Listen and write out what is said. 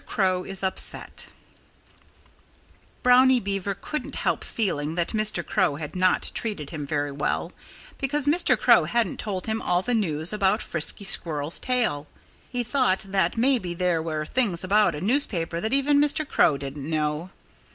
CROW IS UPSET Brownie Beaver couldn't help feeling that Mr. Crow had not treated him very well, because Mr. Crow hadn't told him all the news about Frisky Squirrel's tail. He thought that maybe there were things about a newspaper that even Mr. Crow didn't know.